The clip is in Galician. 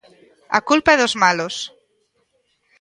A culpa é dos malos.